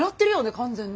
完全にね。